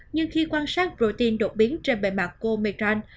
nhưng khi quan sát protein đột biến trên bề mặt của omicron